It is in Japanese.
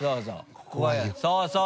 そうそう。